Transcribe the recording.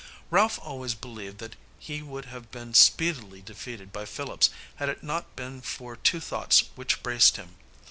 Ralph always believed that he would have been speedily defeated by Phillips had it not been for two thoughts which braced him.